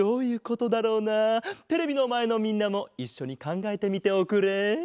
テレビのまえのみんなもいっしょにかんがえてみておくれ。